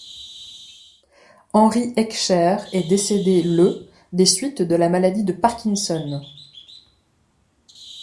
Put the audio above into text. Henry Hecksher est décédé le des suites de la maladie de Parkinson.